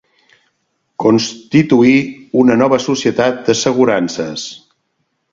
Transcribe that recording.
Constituir una nova societat d'assegurances.